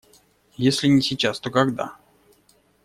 Если не сейчас, то когда?